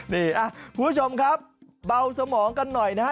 นี่คุณผู้ชมครับเบาสมองกันหน่อยนะฮะ